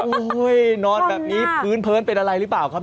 โอ้โหนอนแบบนี้พื้นเพลินเป็นอะไรหรือเปล่าครับ